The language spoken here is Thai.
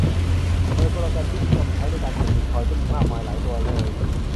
โดยโปรแกรมที่นิยมใช้ในการขุดบิตคอยน์ก็มีมากมายหลายตัวเลย